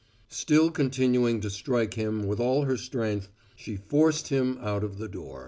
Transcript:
Still continuing to strike him with all her strength, she forced him out of the door.